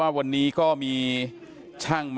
แล้วอันนี้ก็เปิดแล้ว